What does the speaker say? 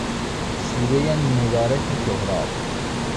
شیوهی نگارش سهراب